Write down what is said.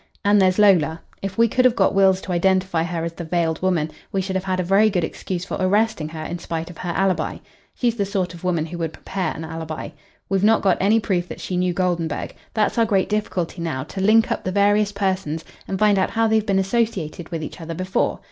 And there's Lola. If we could have got Wills to identify her as the veiled woman, we should have had a very good excuse for arresting her in spite of her alibi. She's the sort of woman who would prepare an alibi. We've not got any proof that she knew Goldenburg. That's our great difficulty now to link up the various persons and find how they've been associated with each other before.